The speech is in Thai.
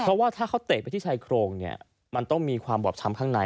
เพราะว่าถ้าเขาเตะไปที่ชายโครงเนี่ยมันต้องมีความบอบช้ำข้างใน